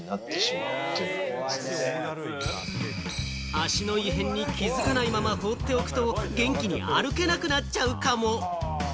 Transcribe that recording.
足の異変に気づかないまま放っておくと、元気に歩けなくなっちゃうかも？